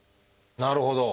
なるほど。